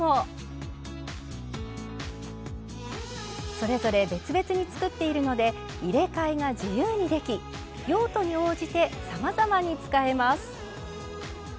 それぞれ別々に作っているので入れ替えが自由にでき用途に応じてさまざまに使えます。